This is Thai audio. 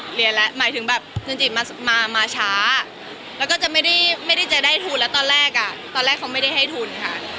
เรียนแล้วหมายถึงอินจิมาช้าแล้วก็จะไม่ได้ทุนแล้วตอนแรกเขาไม่ได้ให้ทุนค่ะ